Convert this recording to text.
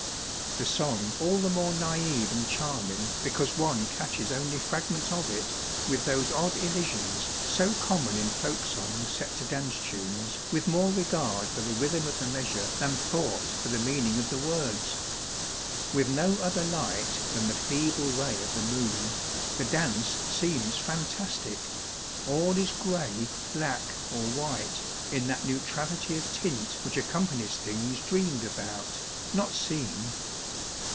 the song all the more naive and charming, be cause one catches only fragments of it, with those odd elisions so common in folk songs set to dance tunes with more regard for the rhythm of the meas ure than thought for the meaning of the words. With no other light than the feeble ray of the moon, the dance seems fantastic. All is gray, black, or white, in that neutrality of tint which ac companies things dreamed about, not seen.